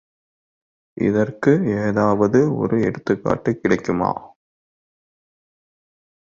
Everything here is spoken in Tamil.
இதற்கு ஏதாவது ஓர் எடுத்துக் காட்டு கிடைக்குமா?